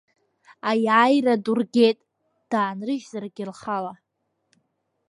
Аиааира ду ргеит, даанрыжьзаргьы лхала.